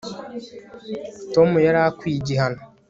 tom yari akwiye igihano